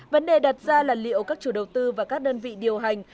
vấn đề đặt ra là liệu các chủ đầu tư và các đơn vị điều hành